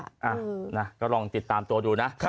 อ่ะนะก็ลองติดตามตัวดูนะ